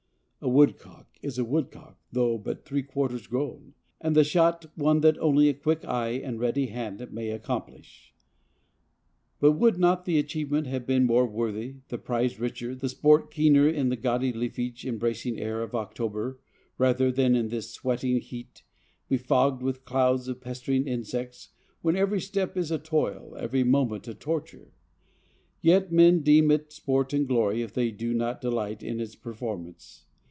A woodcock is a woodcock, though but three quarters grown; and the shot one that only a quick eye and ready hand may accomplish; but would not the achievement have been more worthy, the prize richer, the sport keener in the gaudy leafage and bracing air of October, rather than in this sweltering heat, befogged with clouds of pestering insects, when every step is a toil, every moment a torture? Yet men deem it sport and glory if they do not delight in its performance.